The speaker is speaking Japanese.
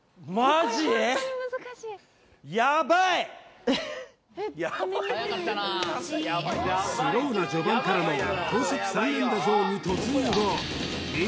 あっスローな序盤からの高速３連打ゾーンに突入後